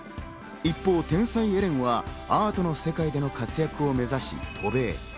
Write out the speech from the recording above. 一方、天才・エレンはアートの世界での活躍を目指し、渡米。